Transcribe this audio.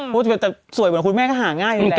พูดถึงจะสวยเหมือนคุณแม่ก็หาง่ายนี่แหละ